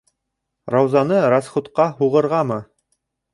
Раузаны расхутҡа һуғырғамы?